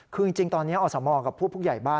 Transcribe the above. คือจริงตอนนี้อสมกับผู้ผู้ใหญ่บ้าน